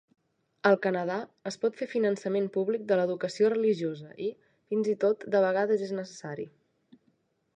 Al Canadà, es pot fer finançament públic de l'educació religiosa i, fins i tot, de vegades és necessari.